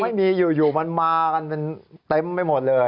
ตอนนี้อยู่มันมากันเพียงเต็มไปหมดเลย